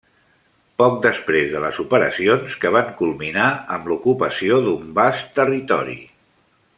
Poc després de les operacions, que van culminar amb l'ocupació d'un vast territori.